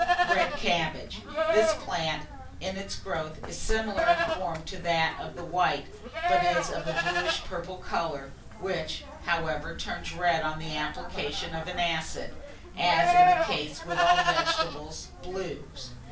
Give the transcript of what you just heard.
RED CABBAGE. This plant, in its growth, is similar in form to that of the white, but is of a bluish purple colour, which, however, turns red on the application of acid, as is the case with all vegetable blues.